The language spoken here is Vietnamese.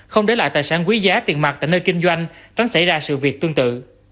không để lại tài sản quý giá tiền mặt tại nơi kinh doanh tránh xảy ra sự việc tương tự